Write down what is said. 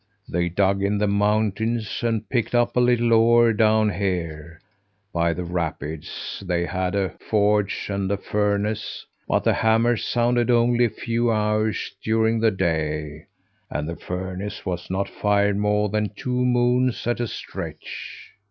They dug in the mountains and picked up a little ore down here, by the rapids; they had a forge and a furnace, but the hammers sounded only a few hours during the day, and the furnace was not fired more than two moons at a stretch.